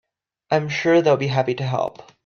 I'm sure they'll be happy to help.